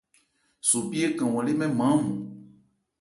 Sopi ékan hwan lê mɛ́n nman ɔ́nmɔn.